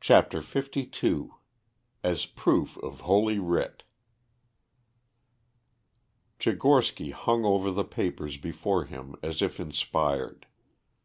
CHAPTER LII "AS PROOF OF HOLY WRIT" Tchigorsky hung over the papers before him as if inspired.